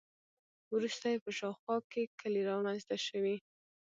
وروسته یې په شاوخوا کې کلي رامنځته شوي.